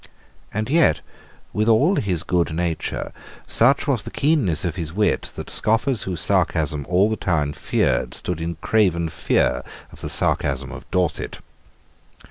And yet, with all his goodnature, such was the keenness of his wit that scoffers whose sarcasm all the town feared stood in craven fear of the sarcasm of Dorset.